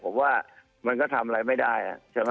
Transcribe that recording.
ผมว่ามันก็ทำอะไรไม่ได้